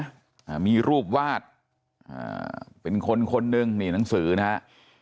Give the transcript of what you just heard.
อ่ามีรูปวาดอ่าเป็นคนคนหนึ่งนี่หนังสือนะฮะ